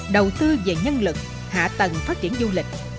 đầu tư về nhân lực hạ tầng phát triển du lịch